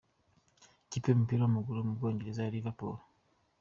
Ikipe y’umupira w’amaguru mu bwongereza ya Liverpool F.